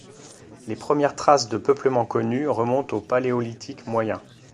Les premières traces de peuplement connues remontent au Paléolithique moyen.